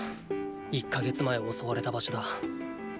１か月前襲われた場所だ。